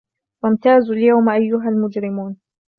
وَامْتَازُوا الْيَوْمَ أَيُّهَا الْمُجْرِمُونَ